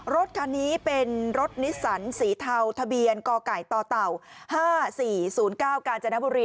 รถคันนี้เป็นรถนิสสันสีเทาทะเบียนกไก่ต่อเต่า๕๔๐๙กาญจนบุรี